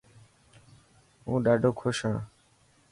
هون ڏاڌو خوش هان.